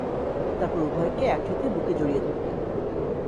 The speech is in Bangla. তারপর উভয়কে একসাথে বুকে জড়িয়ে ধরতেন।